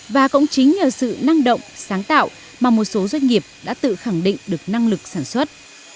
và cũng chính nhờ sự năng động sáng tạo mà một số doanh nghiệp đã tự khẳng định được năng lực sản xuất